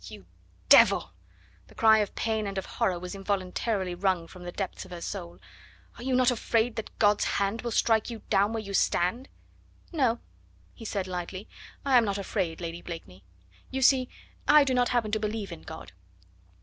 "You devil!" The cry of pain and of horror was involuntarily wrung from the depths of her soul. "Are you not afraid that God's hand will strike you where you stand?" "No," he said lightly; "I am not afraid, Lady Blakeney. You see, I do not happen to believe in God.